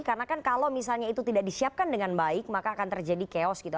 karena kan kalau misalnya itu tidak disiapkan dengan baik maka akan terjadi chaos gitu